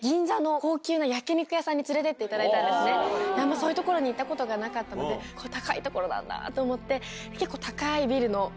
そういう所に行ったことがなかったので。と思って。